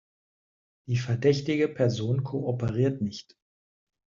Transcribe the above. Die verdächtige Person kooperiert nicht.